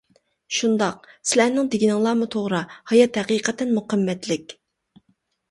شۇنداق، سىلەرنىڭ دېگىنىڭلارمۇ توغرا، ھايات ھەقىقەتەنمۇ قىممەتلىك.